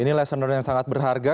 ini lesson learn yang sangat berharga